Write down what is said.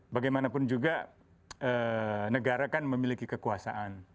bagaimanapun juga negara kan memiliki kekuasaan